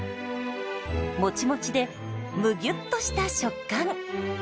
もちもちでむぎゅっとした食感。